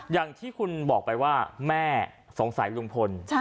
อย่างที่คุณบอกไปว่าแม่สงสัยลุงพล